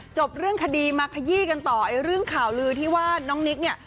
จบเรื่องคดีมาขยี้กันต่อไอ้เรื่องข่าวลือที่ว่าน้องนิกเนี่ย